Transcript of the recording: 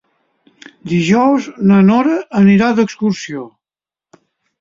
Dijous na Nora anirà d'excursió.